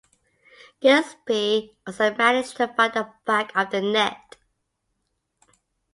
Gillespie also managed to find the back of the net.